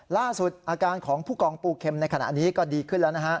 ล่าสุดอาการของผู้กองปูเข็มในขณะนี้ก็ดีขึ้นแล้วนะฮะ